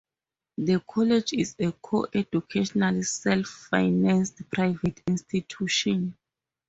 The college is a co-educational self-financed private institution.